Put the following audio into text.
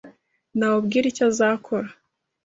Ntawubwira icyo azakora.